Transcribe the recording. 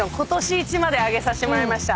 いちまで上げさせてもらいました。